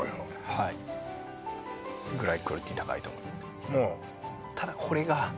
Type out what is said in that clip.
はいぐらいクオリティー高いと思います